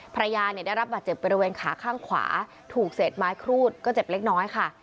ภรรยาเนี่ยได้รับบาดเจ็บบริเวณขาข้างขวาถูกเศษไม้ครูดก็เจ็บเล็กน้อยค่ะ